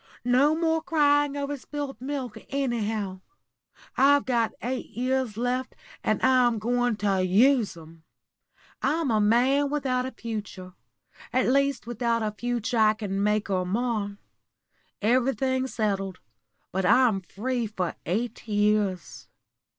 No more crying over spilt milk, anyhow. I've got eight years left, and I'm going to use 'em. I'm a man without a future at least without a future I can make or mar. Everything's settled, but I'm free for eight years.